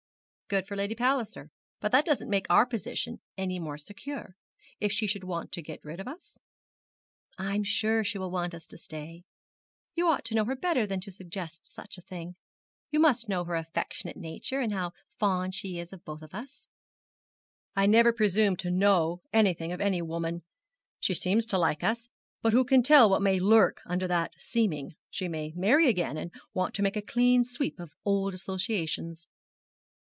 'Good for Lady Palliser; but that doesn't make our position any more secure, if she should want to get rid of us?' 'I'm sure she will want us to stay. You ought to know her better than to suggest such a thing. You must know her affectionate nature, and how fond she is of us both.' 'I never presume to know anything of any woman. She seems to like us; but who can tell what may lurk under that seeming. She may marry again, and want to make a clean sweep of old associations.'